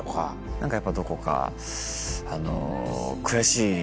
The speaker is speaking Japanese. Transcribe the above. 何かやっぱどこかあの。